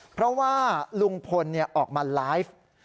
เพราะว่าลุงพลออกมาไลฟ์